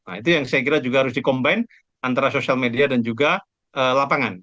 nah itu yang saya kira juga harus di combine antara sosial media dan juga lapangan